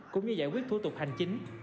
cũng như giải quyết thủ tục hành chính